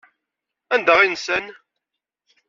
Anda ay nsan?